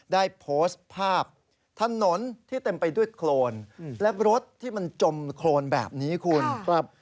ได้โพสต์ภาพถนนที่เต็มไปด้วยโครนและรถที่มันจมโครนแบบนี้คุณครับ